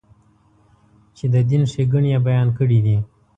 چې د دین ښېګڼې یې بیان کړې دي.